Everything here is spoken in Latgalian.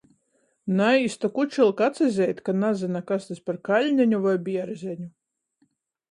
Naīs tok učilka atsazeit, ka nazyna, kas tys par Kaļneņu voi Bierzeņu.